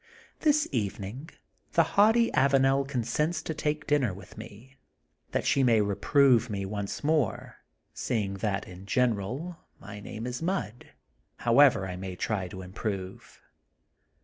This evening the haughty Avanel consents to take dinner with me, that she may reprove me once more, seeing that, in general, my name is mud, however I may try to improve.